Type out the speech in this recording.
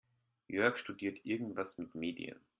Jörg studiert irgendwas mit Medien.